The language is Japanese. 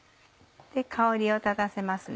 香りを立たせますね。